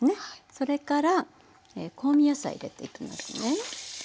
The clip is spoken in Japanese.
それから香味野菜入れていきますね。